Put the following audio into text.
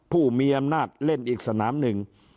ผู้มีอำนาจเล่นอีกสนามหนึ่ง